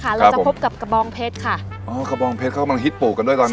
เราจะพบกับกระบองเพชรค่ะอ๋อกระบองเพชรเขากำลังฮิตปลูกกันด้วยตอนนี้